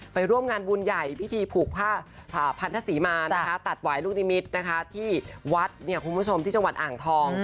ไปร่วมงานบุญใหญ่พิธีผูกผ้าพันธศรีมานะคะตัดวายลูกนิมิตรที่วัดคุณผู้ชมที่จังหวัดอ่างทอง